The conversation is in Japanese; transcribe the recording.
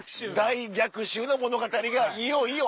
大逆襲の物語がいよいよ。